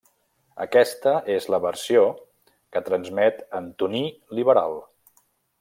Aquesta és la versió que transmet Antoní Liberal.